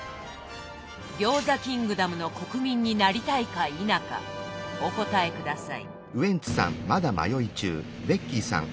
餃子キングダムの国民になりたいか否かお答え下さい。